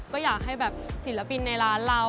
ก็อยากให้แบบศิลปินในร้านเรา